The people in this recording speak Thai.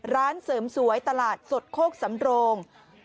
ร้านเสริมสวยตลาดสดโคกสำโรง